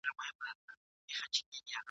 د خان کشري لور ژړل ویل یې پلاره ..